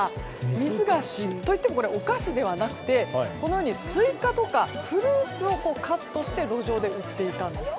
水菓子といってもお菓子ではなくてスイカとかフルーツをカットして路上で売っていたんです。